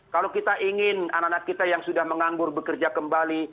kalau kita ingin anak anak kita yang sudah menganggur bekerja kembali